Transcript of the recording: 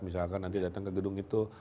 misalkan nanti datang ke gedung itu